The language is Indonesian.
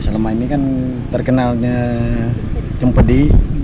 selama ini kan terkenalnya cempedi